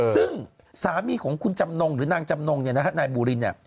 ซึ่งสามีของคุณจำนงหรือนางจำนงนี่นะครับนายบูริน